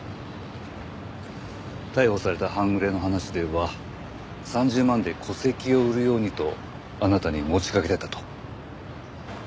逮捕された半グレの話では３０万で戸籍を売るようにとあなたに持ちかけてたと。